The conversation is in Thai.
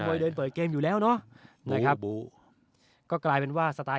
เดินเปิดเกมอยู่แล้วเนอะนะครับบูก็กลายเป็นว่าสไตล